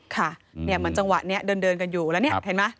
ค่ะเหมือนจังหวะนี้เดินกันอยู่แล้วเนี่ยเห็นไหม